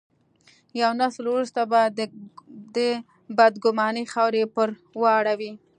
یو نسل وروسته به د ګمنامۍ خاورې پر واوړي.